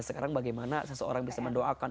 sekarang bagaimana seseorang bisa mendoakan